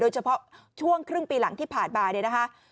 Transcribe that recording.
เฉพาะช่วงครึ่งปีหลังที่ผ่านมาเนี่ยนะคะ